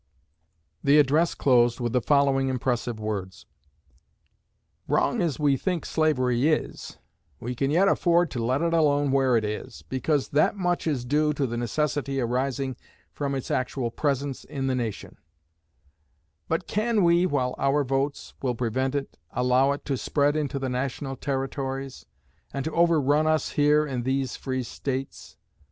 The address closed with the following impressive words: Wrong as we think slavery is, we can yet afford to let it alone where it is, because that much is due to the necessity arising from its actual presence in the nation; but can we, while our votes will prevent it, allow it to spread into the National Territories, and to overrun us here in these free States?